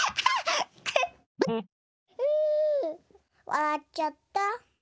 わらっちゃった。